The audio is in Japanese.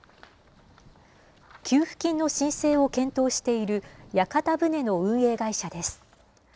給付金の申請を検討している、屋形船の運営会社です。